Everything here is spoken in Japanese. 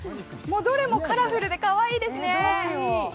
どれもカラフルでかわいいですね。